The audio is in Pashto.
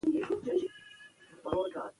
حکومت د خلکو دیني ارزښتونو ته درناوی کوي.